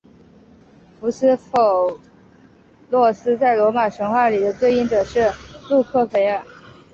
福斯否洛斯在罗马神话里的对应者是路喀斐耳。